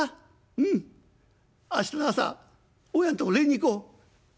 うん明日の朝大家んとこ礼に行こう」。